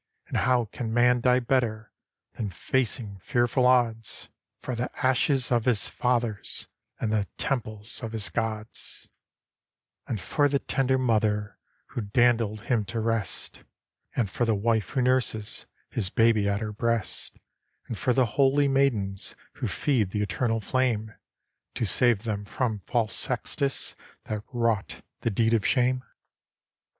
And how can man die better Than facing fearful odds, 276 I HORATIUS For the ashes of his fathers, And the temples of his Gods, "And for the tender mother Who dandled him to rest, And for the wife who nurses His baby at her breast, And for the holy maidens Who feed the eternal flame, To save them from false Sextus That wrought the deed of shame?